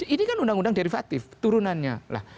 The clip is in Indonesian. ini kan undang undang derivatif turunannya